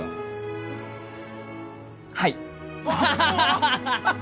はい。